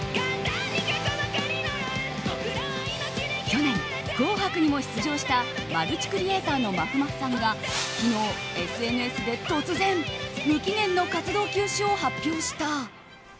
去年「紅白」にも出場したマルチクリエーターのまふまふさんが昨日ＳＮＳで突然、無期限の活動休止を発表した。